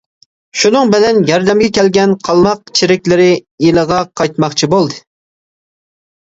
شۇنىڭ بىلەن ياردەمگە كەلگەن قالماق چېرىكلىرى ئىلىغا قايتماقچى بولدى.